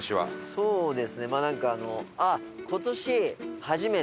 そうですねまあなんかあのあっ！